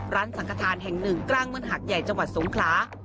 สังขทานแห่งหนึ่งกลางเมืองหาดใหญ่จังหวัดสงขลา